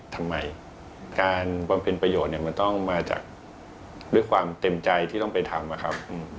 ทำไมการบำเพ็ญประโยชน์เนี่ยมันต้องมาจากด้วยความเต็มใจที่ต้องไปทำอะครับ